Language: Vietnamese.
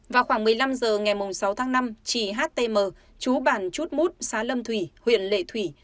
vào khoảng một mươi năm h ngày sáu tháng năm chị htm chú bản chút mút xá lâm thủy huyện lệ thủy